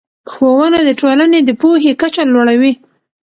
ښوونه د ټولنې د پوهې کچه لوړه وي